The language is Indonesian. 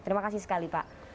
terima kasih sekali pak